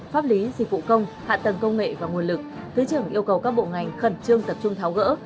pháp lý dịch vụ công hạ tầng công nghệ và nguồn lực thứ trưởng yêu cầu các bộ ngành khẩn trương tập trung tháo gỡ